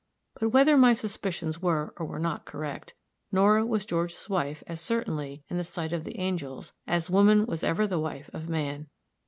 But, whether my suspicions were or were not correct, Nora was George's wife as certainly, in the sight of the angels, as woman was ever the wife of man.